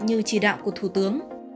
như chỉ đạo của thủ tướng